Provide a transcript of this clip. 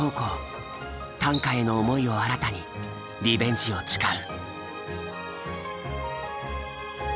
短歌への思いを新たにリベンジを誓う。